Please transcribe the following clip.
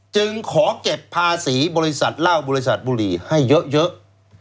จึงขอเก็บภาษีบริษัทเหล้าบริษัทบุหรี่ให้เยอะ